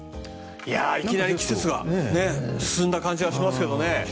いきなり季節が進んだ感じがしますけどね。